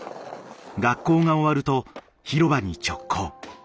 学校が終わると広場に直行。